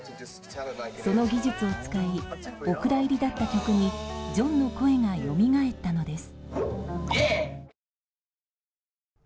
その技術を使いお蔵入りだった曲にジョンの声がよみがえったのです。